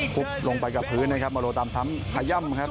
ลงไปกับพื้นนะครับมาโลตามซ้ำขย่ำครับ